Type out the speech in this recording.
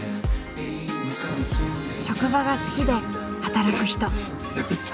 職場が好きで働く人。